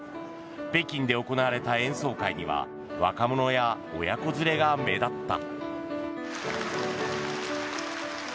北京で行われた演奏会には若者や親子連れが目立った。